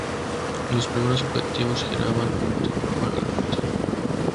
Los primeros objetivos giraban en torno al grafiti.